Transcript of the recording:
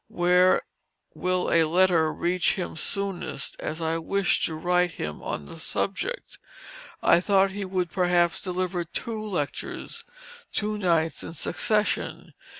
Where will a letter reach him soonest, as I wish to write him on the subject. I thought he could perhaps deliver two lectures, two nights in succession.